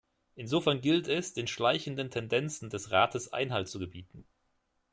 Insofern gilt es, den schleichenden Tendenzen des Rates Einhalt zu gebieten.